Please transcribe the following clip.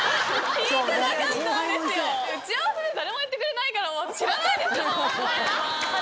打ち合わせで誰も言ってくれないから。